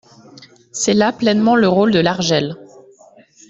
C’est là pleinement le rôle de l’ARJEL.